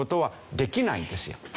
できないんですか。